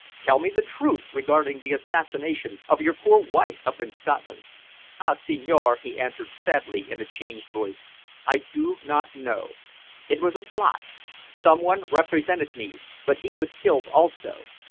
Tell me the truth regarding the assassination of your poor wife up in Scotland." "Ah, signore!" he answered sadly in a changed voice, "I do not know. It was a plot. Someone represented me but he was killed also.